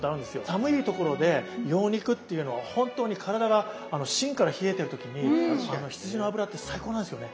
寒い所で羊肉っていうのは本当に体が芯から冷えてる時に羊の脂って最高なんですよね。